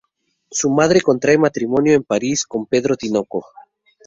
Su madre contrae matrimonio en París con Pedro Tinoco.